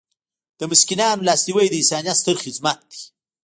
د مسکینانو لاسنیوی د انسانیت ستر خدمت دی.